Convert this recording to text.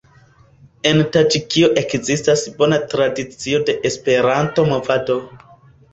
En Taĝikio ekzistas bona tradicio de Esperanto-movado.